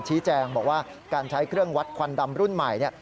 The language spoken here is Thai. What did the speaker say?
ชี้แจงบอกว่าการใช้เครื่องวัดควันดำรุ่นใหม่